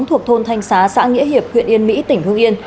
thuộc thôn thanh xá xã nghĩa hiệp huyện yên mỹ tỉnh hương yên